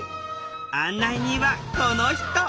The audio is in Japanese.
案内人はこの人！